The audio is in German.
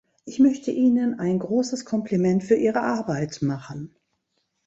Ich möchte Ihnen ein großes Kompliment für Ihre Arbeit machen.